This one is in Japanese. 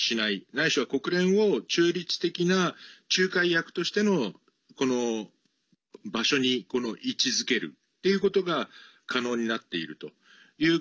ないしは、国連を中立的な仲介役としての場所に位置づけるということが可能になっているという。